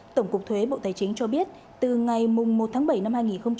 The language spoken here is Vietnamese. tổng cục thuế bộ tài chính cho biết từ ngày một tháng bảy năm hai nghìn hai mươi